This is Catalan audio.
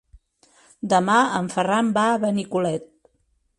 Demà en Ferran va a Benicolet.